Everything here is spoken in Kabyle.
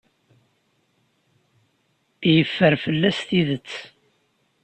Yeffer fell-as tidet.